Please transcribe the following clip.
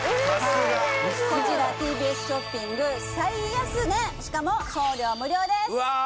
こちらＴＢＳショッピング最安値しかも送料無料ですうわ